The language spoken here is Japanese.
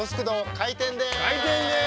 開店です！